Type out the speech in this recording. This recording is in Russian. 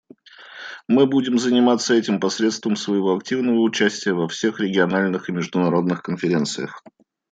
Мы будем заниматься этим посредством своего активного участия во всех региональных и международных конференциях.